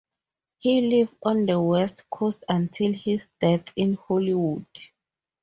He lived on the west coast until his death in Hollywood.